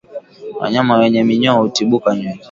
Wanyama wenye minyoo hutibuka nywele